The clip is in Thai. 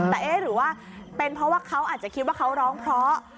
แต่เอ๊ะหรือว่าเป็นเพราะว่าเขาอาจจะคิดว่าเขาร้องเพราะ